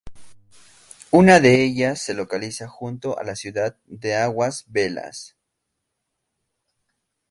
Una de ellas se localiza junto a la ciudad de Águas Belas.